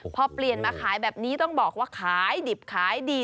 พอเปลี่ยนมาขายแบบนี้ต้องบอกว่าขายดิบขายดี